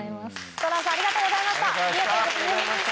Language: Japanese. とらんさんありがとうございました！